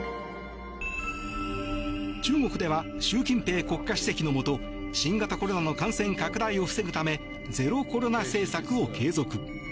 中国では習近平国家主席のもと新型コロナの感染拡大を防ぐためゼロコロナ政策を継続。